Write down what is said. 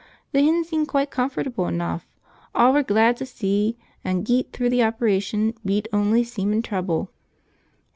Th' hen seemed quite comfortable enough, aw were glad to see, an' geet through th' operation beawt ony seemin' trouble.